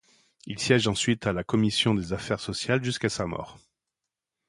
Il siège ensuite à la commission des affaires sociales jusqu'à sa mort.